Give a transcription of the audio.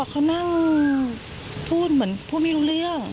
เขานั่งพูดเหมือนพูดไม่รู้เรื่อง